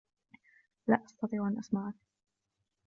لا أستطيع أن أسمعك.